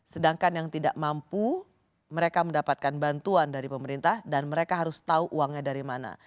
sedangkan yang tidak mampu mereka mendapatkan bantuan dari pemerintah dan mereka harus tahu uangnya dari mana